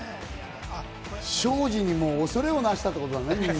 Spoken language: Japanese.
ショージに恐れをなしたってことだね。